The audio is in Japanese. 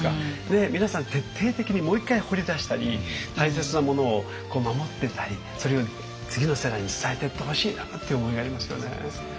皆さん徹底的にもう一回掘り出したり大切なものを守ってったりそれを次の世代に伝えてってほしいなっていう思いがありますよね。